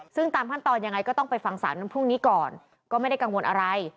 ซึ่งตามขั้นตอนยังไงก็ต้องไปฟังศาลวันพรุ่งนี้ก่อนก็ไม่ได้กังวลอะไร